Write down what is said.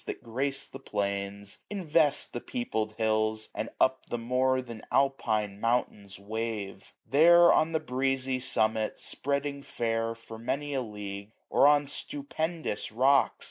That gra/:e the plains, invest the peopled hills. And up the more than Alpine mountains wave. There on the breezy summit, spreading fair, 765 For many a league ; or on stupendous rocks.